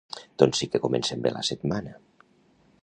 Doncs sí que comencem bé la setmana!